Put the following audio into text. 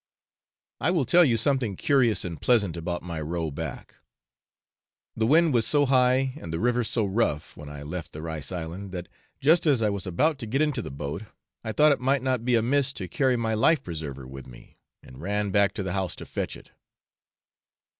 I will tell you something curious and pleasant about my row back. The wind was so high and the river so rough when I left the rice island, that just as I was about to get into the boat I thought it might not be amiss to carry my life preserver with me, and ran back to the house to fetch it.